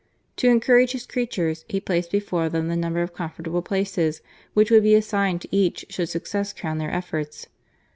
To encourage his creatures he placed before them the number of com fortable places which would be assigned to each should success crown their efforts.